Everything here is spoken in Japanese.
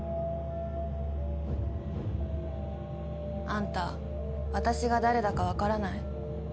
あんた私が誰だか分からない？